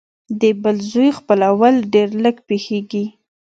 د بل زوی خپلول ډېر لږ پېښېږي